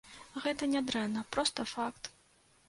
Гэта не дрэнна, проста факт.